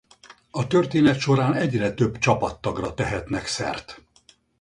A történet során egyre több csapattagra tehetnek szert.